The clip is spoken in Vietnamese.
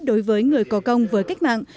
đối với người có công với cách mạng